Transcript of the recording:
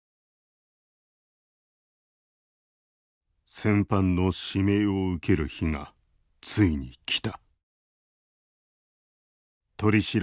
「戦犯の指名をうける日がついに来た」。